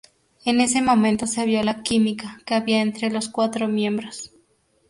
En ese momento se vio la "química" que había entre los cuatro miembros.